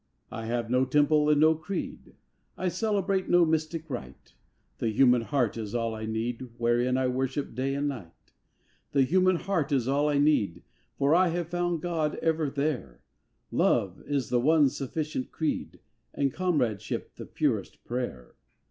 I have no temple and no creed, I celebrate no mystic rite; The human heart is all I need Wherein I worship day and night: The human heart is all I need, For I have found God ever there Love is the one sufficient creed, And comradeship the purest prayer!